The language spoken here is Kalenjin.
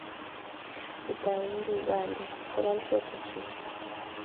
kitawendi ipate kulolsot ochei.